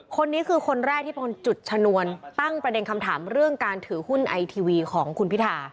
คนนี้คือคนแรกที่เป็นคนจุดชนวนตั้งประเด็นคำถามเรื่องการถือหุ้นไอทีวีของคุณพิธา